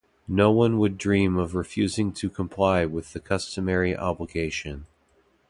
No one would dream of refusing to comply with the customary obligation.